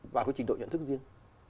và cái trình độ nhận thức riêng